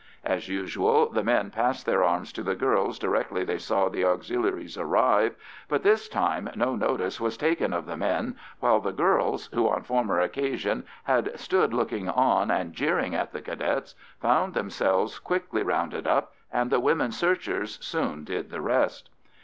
As usual, the men passed their arms to the girls directly they saw the Auxiliaries arrive, but this time no notice was taken of the men, while the girls, who on former occasions had stood looking on and jeering at the Cadets, found themselves quickly rounded up, and the women searchers soon did the rest.